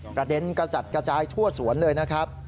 กระเด็นกระจัดกระจายทั่วสวนเลยนะครับ